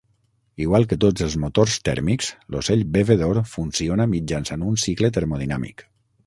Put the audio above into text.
Igual que tots els motors tèrmics, l'ocell bevedor funciona mitjançant un cicle termodinàmic.